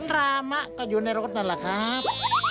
รามะก็อยู่ในรถนั่นแหละครับ